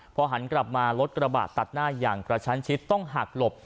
พอหันกลับมารถกระบาดตัดหน้าอย่างกระชั้นชิดต้องหักหลบ